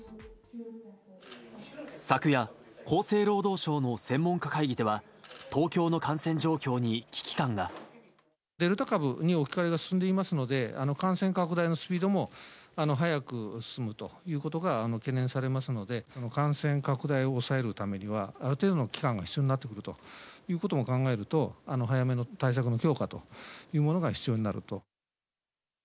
昨夜、厚生労働省の専門家会議では、デルタ株に置き換えが進んでいますので、感染拡大のスピードも速く進むということが懸念されますので、感染拡大を抑えるためにはある程度の期間が必要になってくるということも考えると、早めの対策の強化というものが必要になると。